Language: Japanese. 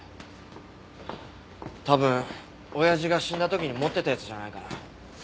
多分親父が死んだ時に持ってたやつじゃないかな。